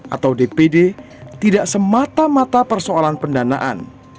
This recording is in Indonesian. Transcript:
atau dpd tidak semata mata persoalan pendanaan